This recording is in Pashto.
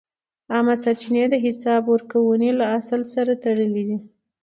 عامه سرچینې د حساب ورکونې له اصل سره تړلې دي.